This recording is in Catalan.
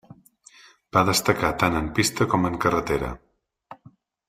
Va destacar tant en pista com en carretera.